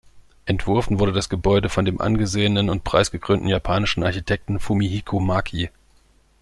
Entworfen wurde das Gebäude von dem angesehenen und preisgekrönten japanischen Architekten Fumihiko Maki.